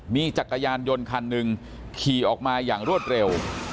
มีจักรยานยนต์คันหนึ่งขี่ออกมาอย่างรวดเร็ว